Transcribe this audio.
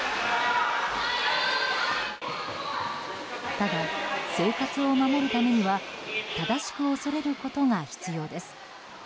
ただ生活を守るためには正しく恐れることが必要です。